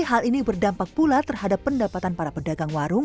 hal ini berdampak pula terhadap pendapatan para pedagang warung